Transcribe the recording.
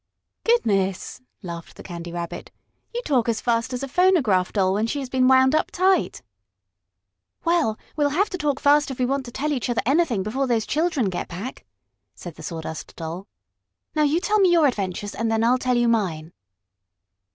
"Goodness!" laughed the Candy Rabbit. "You talk as fast as a phonograph Doll when she has been wound up tight." "Well, we'll have to talk fast if we want to tell each other anything before those children get back," said the Sawdust Doll. "Now you tell me your adventures, and then I'll tell you mine."